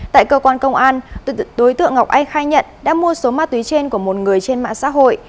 tại cơ quan công an đối tượng ngọc anh khai nhận đã mua số ma túy trên của một người trên mạng xã hội